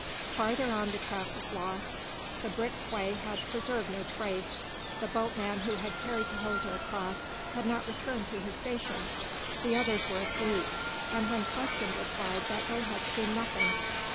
Farther on the track was lost; the brick quay had preserved no trace; the boatman who had carried Tahoser across had not returned to his station; the others were asleep, and when questioned replied that they had seen nothing.